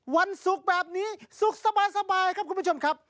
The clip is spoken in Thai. วันศุกร์แบบนี้สุขสบายครับคุณผู้ชมครับ